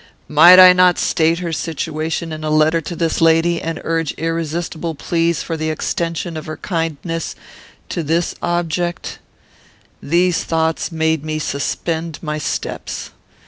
Might I not state her situation in a letter to this lady, and urge irresistible pleas for the extension of her kindness to this object? "These thoughts made me suspend my steps.